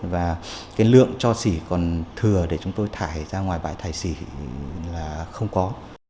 và cái lượng cho xỉ còn thừa để chúng tôi thải ra ngoài bãi thải xỉ là không có